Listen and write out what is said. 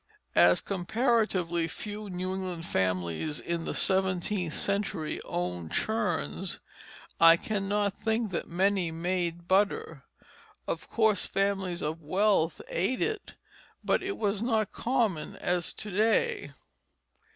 As comparatively few New England families in the seventeenth century owned churns, I cannot think that many made butter; of course families of wealth ate it, but it was not common as to day.